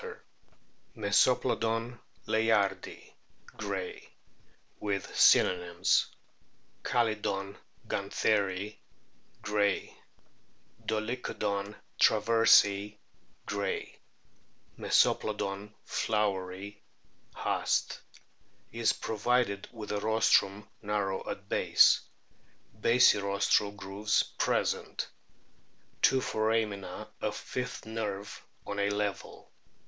417, 220 A BOOK OR WHALES Mesoplodon layardi, Gray* (with synonyms : Callidon guntheri, Gray ; Dolichodon traversii, Gray ; Mesoplodon floweri) Haast), is provided with a rostrum, narrow at base ; basirostral grooves present ; two foramina of fifth nerve on a level.